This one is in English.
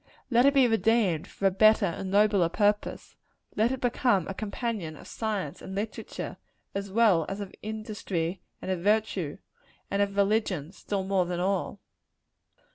Let it be redeemed, for a better and a nobler purpose. Let it become a companion of science and literature, as well as of industry and of virtue and of religion, still more than all.